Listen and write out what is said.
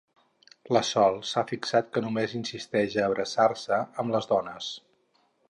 La Sol s'ha fixat que només insisteix a abraçar-se amb les dones.